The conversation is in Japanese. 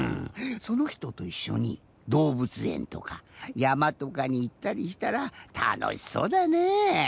そのひとといっしょにどうぶつえんとかやまとかにいったりしたらたのしそうだね。